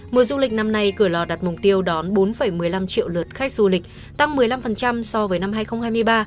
mùa du lịch năm nay cửa lò đặt mục tiêu đón bốn một mươi năm triệu lượt khách du lịch tăng một mươi năm so với năm hai nghìn hai mươi ba